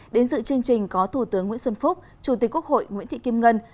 đến dự chương trình có thủ tướng nguyễn xuân phúc chủ tịch quốc hội nguyễn thị kim ngân